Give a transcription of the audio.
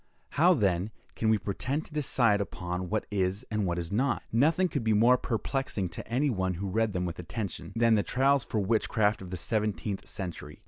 How, then, can we pretend to decide upon what is and what is not? Nothing could be more perplexing to any one who read them with attention, than the trials for witchcraft of the seventeenth century.